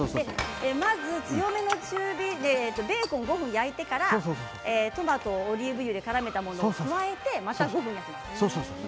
まず強火で中火でベーコン５分焼いてからトマトをオリーブ油でからめたものを加えてまた５分焼きます。